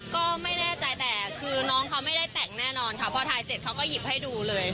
ก็ไม่แน่ใจแต่คือน้องเขาไม่ได้แต่งแน่นอนค่ะพอถ่ายเสร็จเขาก็หยิบให้ดูเลย